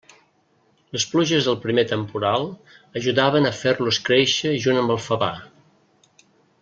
Les pluges del primer temporal ajudaven a fer-los créixer junt amb el favar.